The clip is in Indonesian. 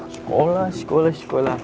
sekolah sekolah sekolah